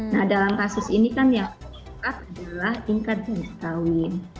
nah dalam kasus ini kan yang penting adalah ingkat janji kawin